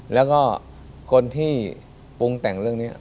แล้วก็คนที่ปรุงแต่งเรื่องนี้